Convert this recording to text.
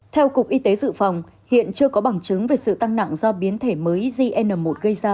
theo cục y tế dự phòng hiện chưa có bằng chứng về sự tăng nặng do biến thể mới zn một gây ra